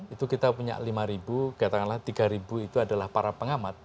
itu kita punya lima ribu katakanlah tiga ribu itu adalah para pengamat